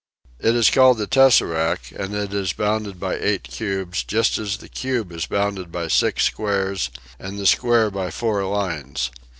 It is called the " tesseract," and it is bounded by eight cubes just as the cube is bounded by six squares and the square by four lines.